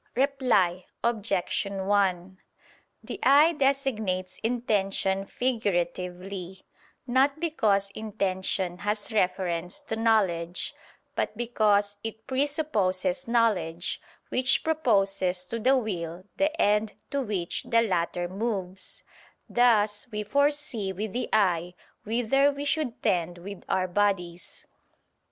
Reply Obj. 1: The eye designates intention figuratively, not because intention has reference to knowledge, but because it presupposes knowledge, which proposes to the will the end to which the latter moves; thus we foresee with the eye whither we should tend with our bodies.